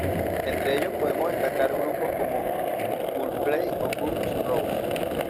Entre ellos podemos destacar grupos como Coldplay o Guns 'n' Roses.